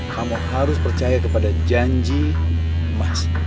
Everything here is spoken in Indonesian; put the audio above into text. kamu harus percaya kepada janji emas